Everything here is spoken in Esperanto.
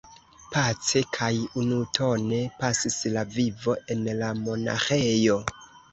Pace kaj unutone pasis la vivo en la monaĥejo.